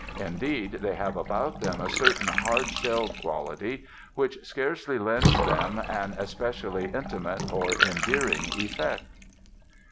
Indeed, they have about them a certain hard shelled quality which scarcely lends them an especially intimate or endearing effect.